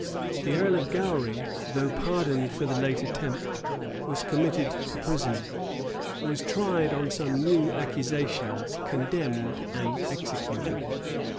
The earl of Gowry, though pardoned for the late attempt, was committed to prison, was tried on some new accusations, condemned, and executed.